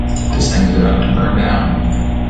This thing is about to burn down.